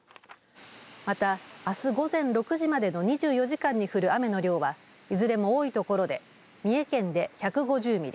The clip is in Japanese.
また、あす午前６時までの２４時間に降る雨の量はいずれも多い所で三重県で１５０ミリ